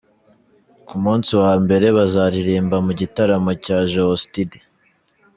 Ku munsi wa mbere bazaririmba mu gitaramo cya Geosteady.